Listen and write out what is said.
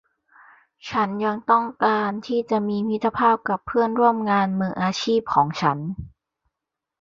ฉันยังต้องการที่จะมีมิตรภาพกับเพื่อนร่วมงานมืออาชีพของฉัน